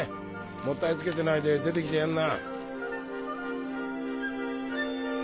もったいつけてないで出て来てやんな。